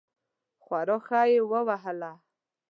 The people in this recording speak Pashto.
خورا ښه یې وهله.